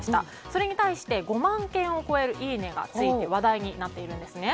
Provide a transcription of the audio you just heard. それに対して５万件を超えるいいね！がついて話題になっているんですね。